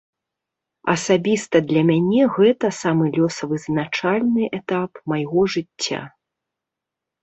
Асабіста для мяне гэта самы лёсавызначальны этап майго жыцця.